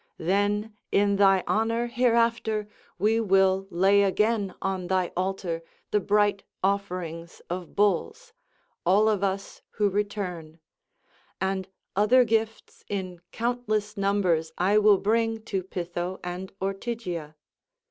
Then in thy honour hereafter we will lay again on thy altar the bright offerings of bulls—all of us who return; and other gifts in countless numbers I will bring to Pytho and Ortygia.